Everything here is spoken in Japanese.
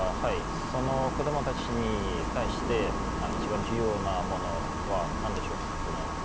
その子供たちに対して一番重要なものは何でしょう？